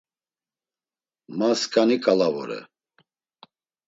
Ma skani ǩala vore.